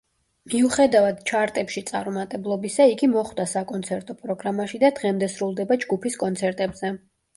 მიუხედავად ჩარტებში წარუმატებლობისა, იგი მოხვდა საკონცერტო პროგრამაში და დღემდე სრულდება ჯგუფის კონცერტებზე.